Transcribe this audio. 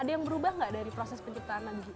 ada yang berubah nggak dari proses penciptaan digital